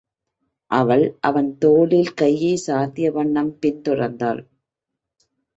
அவள் அவன் தோளில் கையைச் சார்த்திய வண்ணம் பின் தொடர்ந்தாள்.